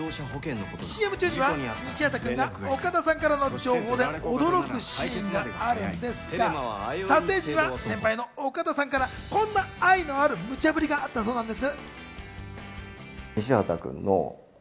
ＣＭ中には西畑君が岡田さんからの情報で驚くシーンがあるんですが、撮影時には先輩の岡田さんからこんな愛のあるむちゃぶりがあったそうなんです。